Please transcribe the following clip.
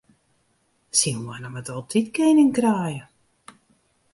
Syn hoanne moat altyd kening kraaie.